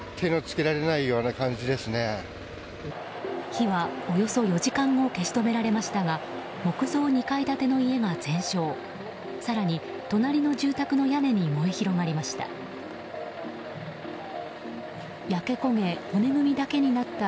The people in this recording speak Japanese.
火はおよそ４時間後消し止められましたが木造２階建ての家が全焼し更に隣の住宅の屋根に燃え広がりました。